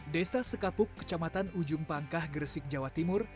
desa sekapuk kecamatan ujung pangkah gresik jawa timur